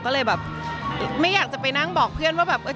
ก็เลยแบบไม่อยากจะไปนั่งบอกเพื่อนว่าแบบ